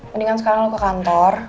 mendingan sekarang ke kantor